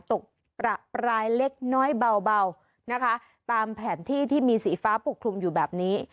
ประปรายเล็กน้อยเบานะคะตามแผนที่ที่มีสีฟ้าปกคลุมอยู่แบบนี้